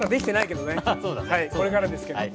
これからですけど。